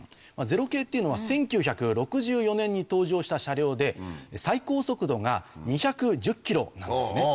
０系っていうのは１９６４年に登場した車両で最高速度が２１０ｋｍなんですね。